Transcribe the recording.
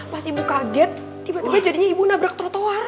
pas ibu kaget tiba tiba jadinya ibu nabrak trotoar